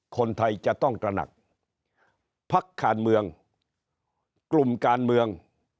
คนไทยจะต้องตระหนักพักการเมืองกลุ่มการเมือง